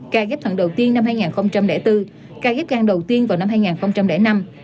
ca ghép tạng đầu tiên năm hai nghìn bốn ca ghép tạng đầu tiên vào năm hai nghìn năm